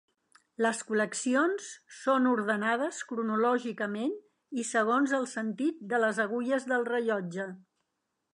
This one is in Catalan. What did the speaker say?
Les col·leccions són ordenades cronològicament i segons el sentit de les agulles del rellotge.